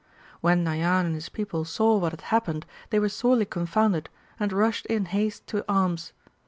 When Nayan and his people saw what had happened, they were sorely confounded, and rushed in haste to arms.